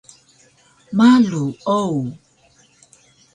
Malu o